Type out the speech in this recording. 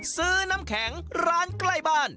ซื้อน้ำแข็งร้านใกล้บ้าน